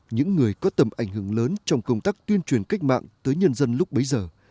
những người có tầm ảnh hưởng lớn trong công tác tuyên truyền cách mạng tới nhân dân lúc bấy giờ